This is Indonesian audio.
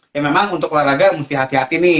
ya memang untuk olahraga mesti hati hati nih